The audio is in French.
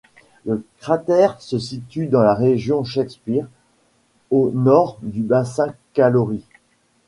Le cratère se situe dans la région Shakespeare, au nord du bassin Caloris.